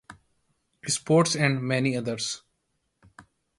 Sports and many others.